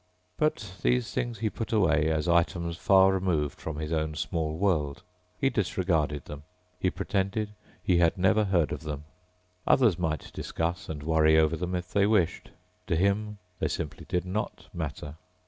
But those things he put away as items far removed from his own small world. He disregarded them. He pretended he had never heard of them. Others might discuss and worry over them if they wished. To him they simply did not matter.